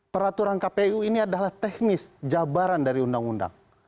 peraturan kpu ini adalah teknis jabaran dari undang undang